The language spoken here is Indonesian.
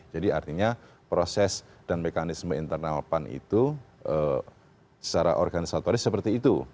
jadi artinya proses dan mekanisme internal pan itu secara organisatoris seperti itu